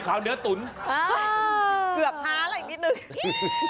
เกือบท้าอะไรบิดหนึ่ง